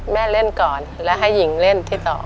แม่เล่นก่อนและให้หญิงเล่นที่๒